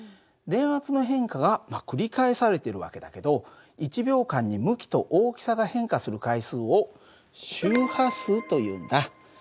電圧の変化が繰り返されている訳だけど１秒間に向きと大きさが変化する回数を周波数というんだ。